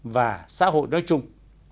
và xã hội nói chung